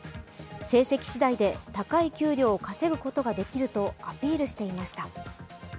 成績次第で高い給料を稼ぐことができるとアピールしていました。